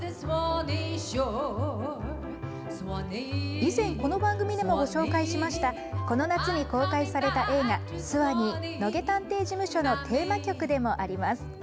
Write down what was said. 以前この番組でもご紹介しましたこの夏に公開された映画「ＳＷＡＮＥＥ野毛探偵事務所」のテーマ曲でもあります。